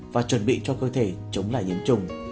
và chuẩn bị cho cơ thể chống lại nhiễm trùng